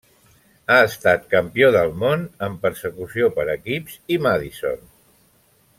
Ha estat campió del món en Persecució per equips i Madison.